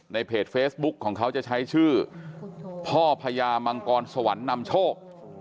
เพจเฟซบุ๊กของเขาจะใช้ชื่อพ่อพญามังกรสวรรค์นำโชค